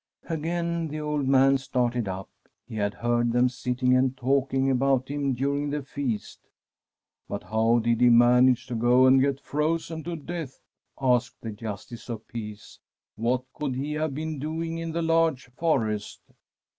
Again the old man started up. He had heard them sitting and talking about him during the feast. ' But how did he manage to go and get frpzen to death ?' asked the Justice of the Peace. ' What could he have been doing in the large forest